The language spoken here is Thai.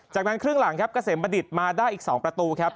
จากนั้นครึ่งหลังครับเกษมบัณฑิตมาได้อีก๒ประตูครับ